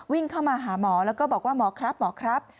วิ่งเข้ามาหาหมอแล้วก็บอกว่าหมอครับหมอครับ